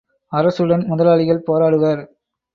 அரசுடன் முதலாளிகள் போராடுவர்.